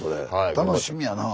楽しみやなあ。